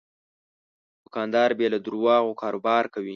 دوکاندار بې له دروغو کاروبار کوي.